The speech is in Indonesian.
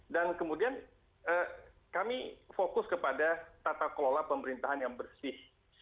dan kemudian kami fokus kepada tata kelola pemerintahan yang bersih